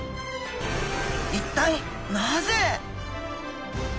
一体なぜ？